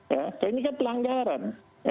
ya ini kan pelanggaran